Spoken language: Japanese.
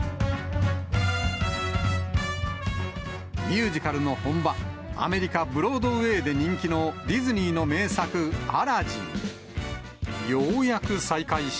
ミュージカルの本場、アメリカ・ブロードウェイで人気のディズニーの名作、アラジン。